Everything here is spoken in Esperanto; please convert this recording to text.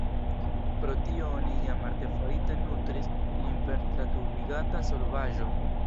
Pro tio oni jam artefarite nutris lin per tratubigata solvaĵo.